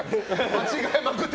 間違えまくって。